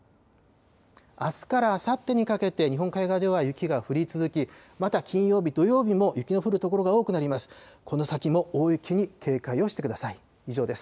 あすからあさってにかけて、日本海側では雪が降り続き、また、金曜日、土曜日も雪の降る所が多くなります。